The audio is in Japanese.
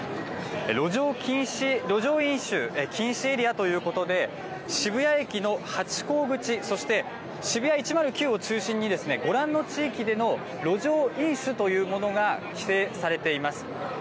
路上飲酒禁止エリアということで渋谷駅のハチ公口、そしてＳＨＩＢＵＹＡ１０９を中心にご覧の地域での路上飲酒というものが規制されています。